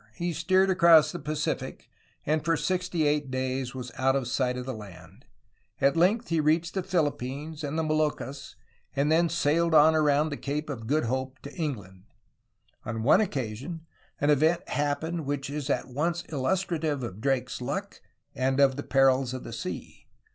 He steered across the Pacific, and for sixty eight days was out of sight of land. At length he reached the Philippines and the Moluccas, and then sailed on around the Cape of Good Hope to England. On one occasion an event happened which is at once illustrative of Drake's luck and of the perils of the sea.